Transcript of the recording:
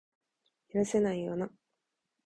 許せないよな